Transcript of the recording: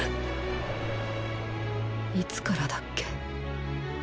いつからだっけ